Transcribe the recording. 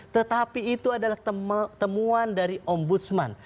tetapi itu adalah temuan dari om budsman